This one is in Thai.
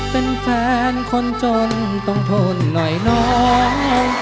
เป็นแฟนคนจนต้องทนหน่อยน้อง